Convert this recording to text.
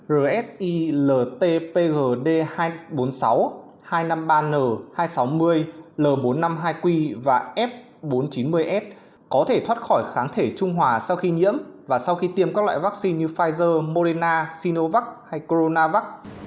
rsi lt pgd hai trăm bốn mươi sáu hai trăm năm mươi ba n hai trăm sáu mươi l bốn trăm năm mươi hai q và f bốn trăm chín mươi s có thể thoát khỏi kháng thể trung hòa sau khi nhiễm và sau khi tiêm các loại vaccine như pfizer morena sinovac hay coronavac